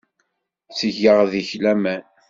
Ttgeɣ deg-k laman.